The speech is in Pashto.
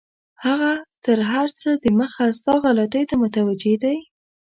هغه تر هر څه دمخه ستا غلطیو ته متوجه دی.